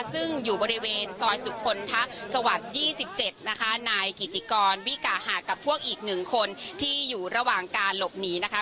ซึ่งอยู่บริเวณซอยสุคลทะสวรรค์๒๗นะคะนายกิติกรวิกาหากับพวกอีก๑คนที่อยู่ระหว่างการหลบหนีนะคะ